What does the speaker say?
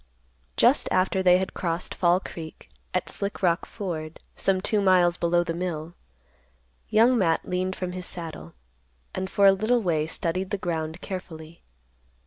Just after they had crossed Fall Creek at Slick Rock Ford, some two miles below the mill, Young Matt leaned from his saddle, and for a little way studied the ground carefully.